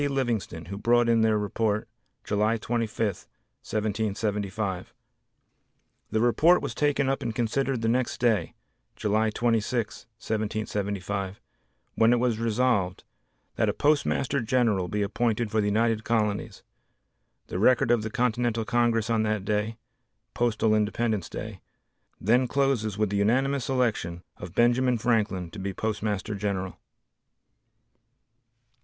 Livingston, who brought in their report July 25, 1775. The report was taken up and considered the next day, July 26, 1775, when it was resolved, that a Postmaster General be appointed for the United Colonies. The record of the Continental Congress on that day (postal independence day), then closes with the unanimous election of Benjamin Franklin to be Postmaster General.